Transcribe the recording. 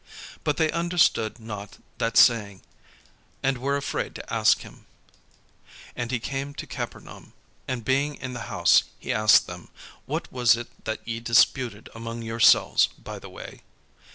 But they understood not that saying, and were afraid to ask him. And he came to Capernaum: and being in the house he asked them, "What was it that ye disputed among yourselves by the way?"